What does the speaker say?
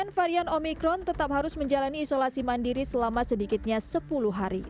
pasien varian omikron tetap harus menjalani isolasi mandiri selama sedikitnya sepuluh hari